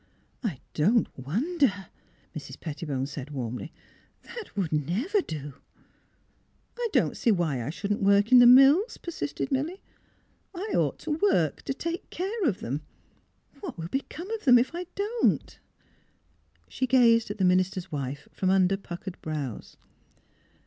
" I don't wonder," Mrs. Pettibone said, warmly. *' That would never do! "" I don't see why I shouldn't work in the mills," persisted Milly. *' I ought to work — to THE DOOR AJAR 95 take care of them. What will become of them if I don't? " She gazed at the minister's wife from under puckered brows.